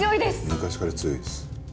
昔から強いです。